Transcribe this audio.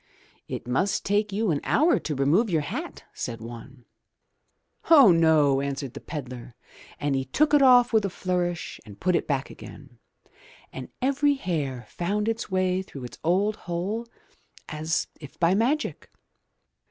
"It must take you an hour to remove your hat/* said one. 0h, no," answered the pedlar, and he took it off with a flourish and put it back again, and every hair found its way through its old hole as if by magic!